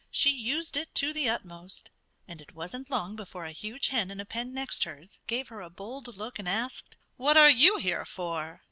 She used it to the utmost. And it wasn't long before a huge hen in a pen next hers gave her a bold look and asked, "What are you here for?"